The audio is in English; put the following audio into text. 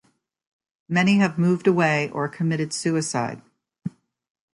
Many have moved away, or committed suicide.